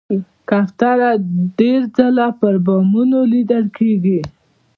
کوتره ډېر ځله پر بامونو لیدل کېږي.